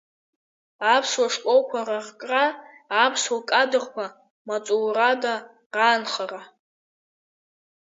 Аԥсуа школқәа раркра, аԥсуа кадрқәа маҵурада раанхара.